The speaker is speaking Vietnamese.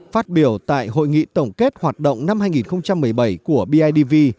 phát biểu tại hội nghị tổng kết hoạt động năm hai nghìn một mươi bảy của bidv